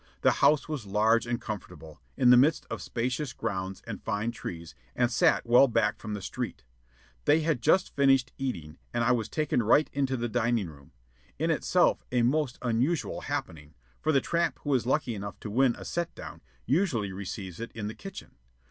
The house was large and comfortable, in the midst of spacious grounds and fine trees, and sat well back from the street. They had just finished eating, and I was taken right into the dining room in itself a most unusual happening, for the tramp who is lucky enough to win a set down usually receives it in the kitchen.